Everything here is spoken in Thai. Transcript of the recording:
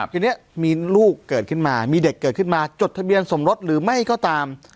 ทีนี้มีลูกเกิดขึ้นมามีเด็กเกิดขึ้นมาจดทะเบียนสมรสหรือไม่ก็ตาม